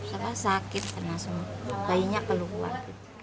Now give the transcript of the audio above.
saya sakit karena bayinya keluar